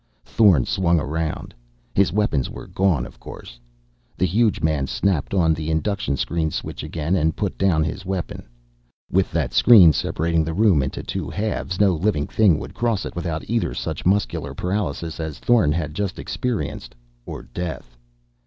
Thorn swung around. His weapons were gone, of course. The huge man snapped on the induction screen switch again and put down his weapon. With that screen separating the room into two halves, no living thing could cross it without either such muscular paralysis as Thorn had just experienced, or death.